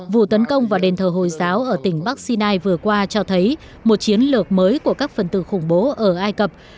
vụ tấn công vào đền thờ hồi giáo ở tỉnh bắc sinai vừa qua cho thấy một chiến lược mới của các phần tử khủng bố ở ai cập